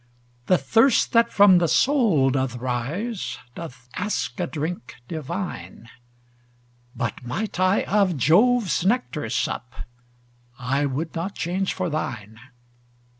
The thirst that from the soul doth rise, Doth ask a drink divine: But might I of Jove's nectar sup, I would not change for thine.